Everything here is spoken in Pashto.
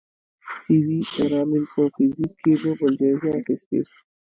سي وي رامن په فزیک کې نوبل جایزه اخیستې.